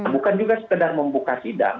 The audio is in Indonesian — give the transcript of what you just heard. bukan juga sekedar membuka sidang